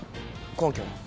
根拠は？